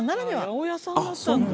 八百屋さんだったんだ。